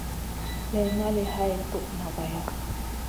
Lay ngali hay toud na vaya.